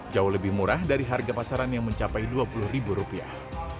jauh lebih murah dari harga pasaran yang mencapai dua puluh ribu rupiah